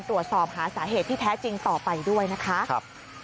ตรวจสอบหาสาเหตุที่แท้จริงต่อไปด้วยนะคะ